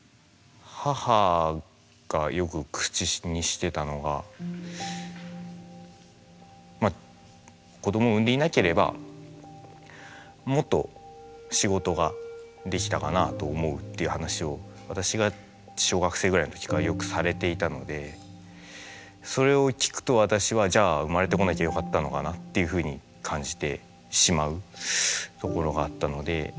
母がよく口にしてたのが「子供を産んでいなければもっと仕事ができたかなあと思う」っていう話を私が小学生ぐらいの時からよくされていたのでそれを聞くと私はじゃあっていうふうに感じてしまうところがあったので。